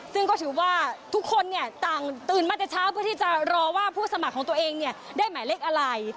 ซึ่งก็ถือว่าทุกคนเนี่ยต่างตื่นมาแต่เช้าเพื่อที่จะรอว่าผู้สมัครของตัวเองเนี่ยได้หมายเลขอะไร